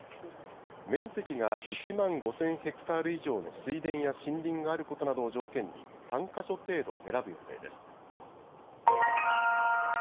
面積が１万５０００ヘクタール以上の水田や森林があることなどを条件に３か所程度選ぶ予定です。